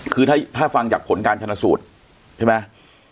คือถ้าฟังจากผลการชนะสูตรใช่ไหม